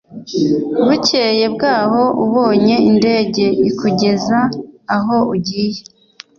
bukeye bw aho ubonye indege ikugeza aho ugiye